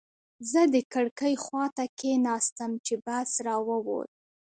زه د کړکۍ خواته کېناستم چې بس را ووت.